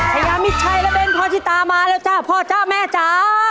ทนายามิชชัยและเบ่นพจิตร์มาแล้วจ้ะพ่อจ้ะแม่จ๋า